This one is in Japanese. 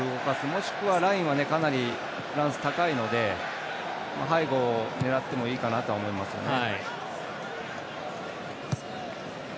もしくはラインはフランスかなり高いので背後を狙ってもいいかなと思いますね。